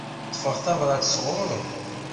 Ṭṭfeɣ tabrat sɣuṛ-m.